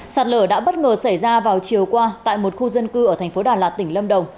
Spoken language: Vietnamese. sạt lở đã bất ngờ xảy ra vào chiều qua tại một khu dân cư ở thành phố đà lạt tỉnh lâm đồng